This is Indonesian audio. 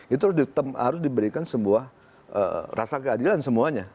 itu harus diberikan sebuah rasa keadilan semuanya